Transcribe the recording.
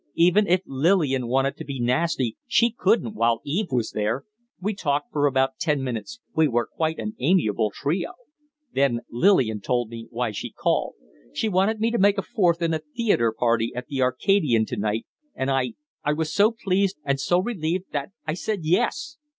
Even if Lillian wanted to be nasty, she couldn't, while Eve was there. We talked for about ten minutes. We were quite an amiable trio. Then Lillian told me why she'd called. She wanted me to make a fourth in a theatre party at the 'Arcadian' to night, and I I was so pleased and so relieved that I said yes!"